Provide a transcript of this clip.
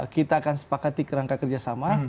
kita akan sepakati kerangka kerjasama